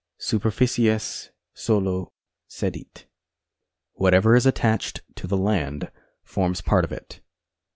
Superficies solo cedit. Gains 2. 73. Whatever is attached to the land forms part of it.